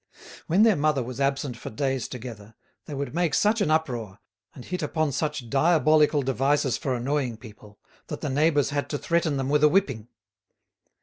When their mother was absent for days together, they would make such an uproar, and hit upon such diabolical devices for annoying people, that the neighbours had to threaten them with a whipping.